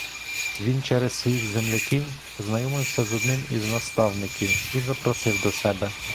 Він через своїх земляків познайомився з одним із наставників і запросив до себе.